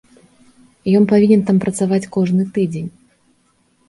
Ён павінен там працаваць кожны тыдзень.